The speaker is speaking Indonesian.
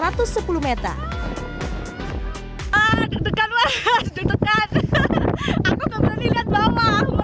ah ditekan waduh ditekan aku kembali lihat bawah merumuk